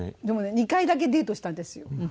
でもね２回だけデートしたんですよ。